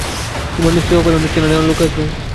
তোমার নিশ্চয় ওপরে অনেক চেনা-জানা লোক আছে।